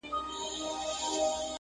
د فیلانو هم سي غاړي اوږدولای!!